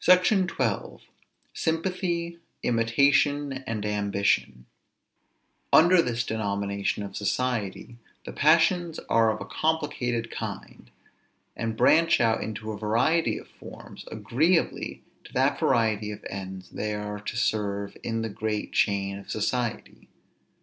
SECTION XII. SYMPATHY, IMITATION, AND AMBITION. Under this denomination of society, the passions are of a complicated kind, and branch out into a variety of forms, agreeably to that variety of ends they are to serve in the great chain of society.